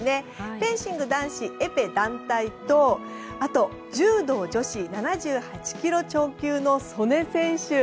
フェンシング男子エペ団体とあと、柔道女子７８ｋｇ超級の素根選手。